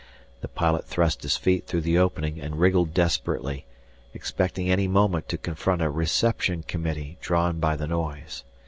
The pilot thrust his feet through the opening and wriggled desperately, expecting any moment to confront a reception committee drawn by the noise.